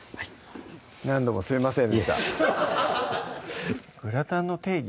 何度もすいませんでしたグラタンの定義